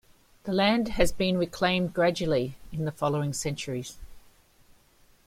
The land has been reclaimed gradually in the following centuries.